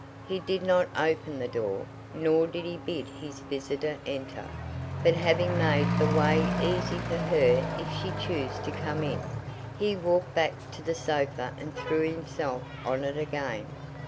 He did not open the door, nor did he bid his visitor enter, but having made the way easy for her if she chose to come in, he walked back to the sofa and threw himself on it again.